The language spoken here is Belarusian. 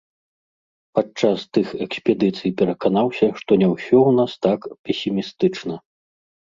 Падчас тых экспедыцый пераканаўся, што не ўсё ў нас так песімістычна.